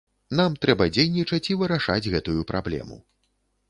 Нам трэба дзейнічаць і вырашаць гэтую праблему.